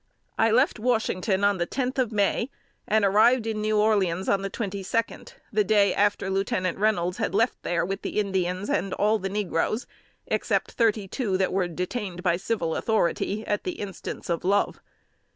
"I left Washington on the 10th of May, and arrived in New Orleans on the 22d, the day after Lieutenant Reynolds had left there with the Indians and all the negroes, except thirty two that were detained by the civil authority, at the instance of Love.